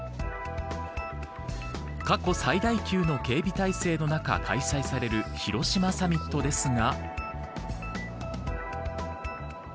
過去最大級の警備体制の中開催される広島サミットですが。